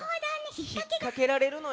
ひっかけられるのよ。